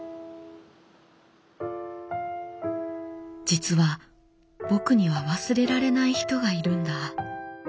「実は僕には忘れられない人がいるんだ。